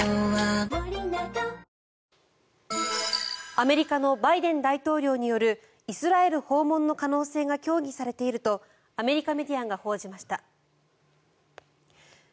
アメリカのバイデン大統領によるイスラエル訪問の可能性が協議されているとアメリカメディアが報じました。